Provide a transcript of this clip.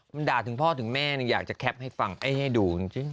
มันด่าถึงพ่อถึงแม่หนึ่งอยากจะแคปให้ฟังให้ดูจริง